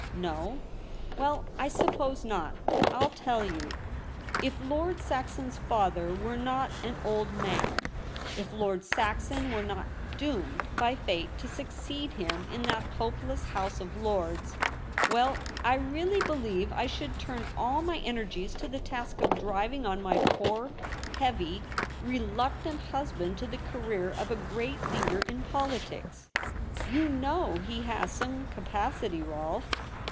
' No ? Well, I suppose not. I'll tell you. If Lord Saxon's father were not an old man, if Lord Saxon were not doomed by fate to succeed him in that hopeless House of Lords — well, I really believe I should turn all my energies to the task of driving on my poor, heavy, reluctant husband to the career of a great leader in politics. You know he has some capacity, Rolfe.'